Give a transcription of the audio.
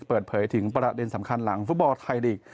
เปิดเผยถึงประเด็นสำคัญหลังฟุตบอลไทยลีก